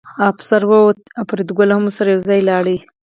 افسر ووت او فریدګل هم ورسره یوځای لاړ